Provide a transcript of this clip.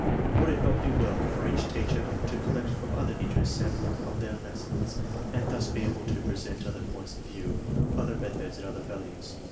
Would it not be well for each teacher to col lect from other teachers samples of their lessons and thus be able to present other points of view, other "methods," and other values?